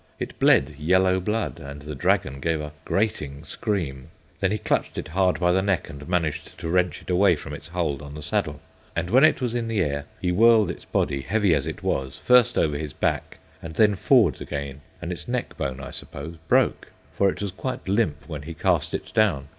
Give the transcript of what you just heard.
It bled yellow blood, and the dragon gave a grating scream. Then he clutched it hard by the neck and managed to wrench it away from its hold on the saddle; and when it was in the air, he whirled its body, heavy as it was, first over his back and then forwards again, and its neck bone, I suppose, broke, for it was quite limp when he cast it down.